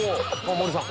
森さん。